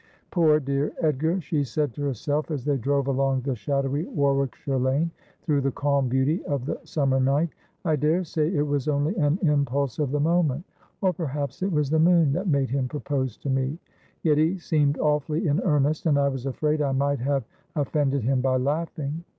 ' Poor dear Edgar !' she said to herself as they drove along the shadowy Warwickshire lane, through the calm beauty of the summer night, ' I daresay it was only an impulse of the moment — or perhaps it was the moon — that made him propose to me. Yet he seemed awfully in earnest, and I was afraid I might have offended him by laughing.